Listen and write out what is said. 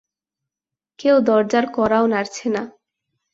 কেউ দরজার কড়াও নাড়ছে না।